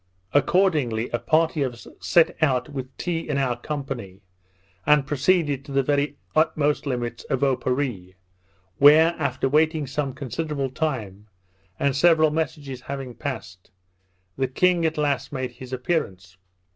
Accordingly, a party of us set out with Tee in our company, and proceeded to the very utmost limits of Oparree, where, after waiting some considerable time, and several messages having passed, the king at last made his appearance.